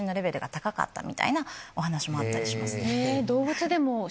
みたいなお話もあったりします。